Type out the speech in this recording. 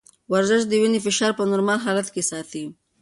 ورزش د وینې فشار په نورمال حالت کې ساتي.